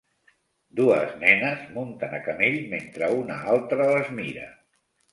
Dues nenes munten a camell mentre una altra les mira.